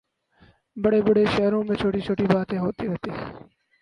بڑے بڑے شہروں میں چھوٹی چھوٹی باتیں ہوتی رہتی ہیں